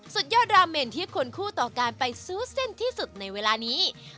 สุดยอดราเมนที่ควรคู่ต่อการไปซูเส้นที่สุดในเวลานี้